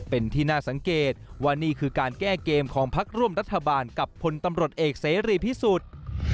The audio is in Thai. เป็นที่น่าสังเกตว่านี่คือการแก้เกมของพักร่วมรัฐบาลกับพลตำรวจเอกเสรีพิสุทธิ์